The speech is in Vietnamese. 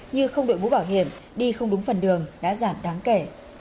như không được bú bảo hiểm đi không đúng phần đường đã giảm đáng kể